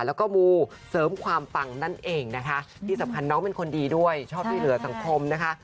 แล้วก็มูเสริมความปังนั่นเองนะคะที่สำคัญน้องเป็นคนดีด้วยชอบช่วยเหลือสังคมนะคะ